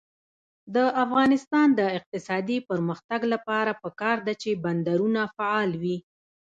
د افغانستان د اقتصادي پرمختګ لپاره پکار ده چې بندرونه فعال وي.